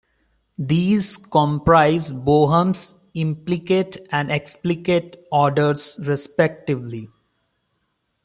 These comprise Bohm's implicate and explicate orders respectively.